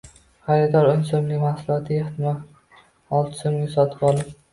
xaridor o'n so‘mlik mahsulotni ehtimol olti so‘mga sotib olib